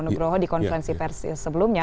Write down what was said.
bapak purwonegroho di konferensi sebelumnya